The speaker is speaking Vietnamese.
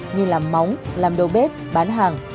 như làm móng làm đồ bếp bán hàng